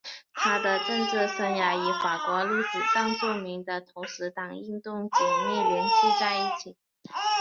他的政治生涯与法国历史上著名的投石党运动紧密联系在一起。